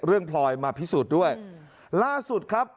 พลอยมาพิสูจน์ด้วยล่าสุดครับ